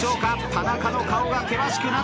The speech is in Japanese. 田中の顔が険しくなってきた。